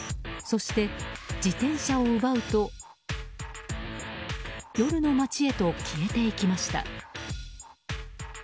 そして、自転車を奪うと夜の街へと消えていきました。